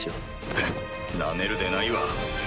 フッナメるでないわ。